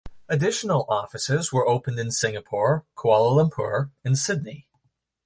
Additional offices were opened in Singapore, Kuala Lumpur and in Sydney.